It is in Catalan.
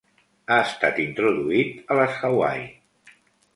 Ha estat introduït a les Hawaii.